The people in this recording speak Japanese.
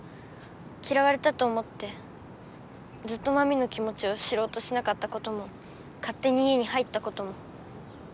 きらわれたと思ってずっとまみの気もちを知ろうとしなかったこともかってに家に入ったことも。